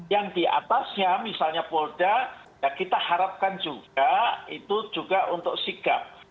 yang di atasnya misalnya polda kita harapkan juga itu juga untuk sigap